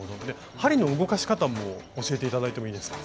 針の動かし方も教えて頂いてもいいですか？